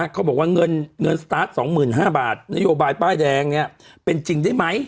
เขาบอกว่าเงินสตาร์ท๒๕๐๐บาทนโยบายป้ายแดงเป็นจริงได้ไหม